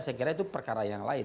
saya kira itu perkara yang lain